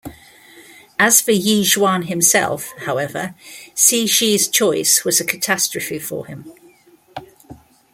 As for Yixuan himself, however, Cixi's choice was a catastrophe for him.